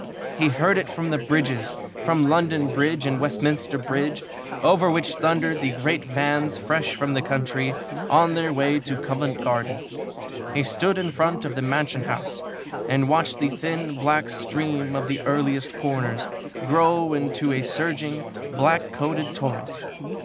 He heard it from the bridges, from London Bridge and Westminster Bridge, over which thundered the great vans fresh from the country, on their way to Covent Garden. He stood in front of the Mansion House and watched the thin, black stream of the earliest corners grow into a surging, black coated torrent.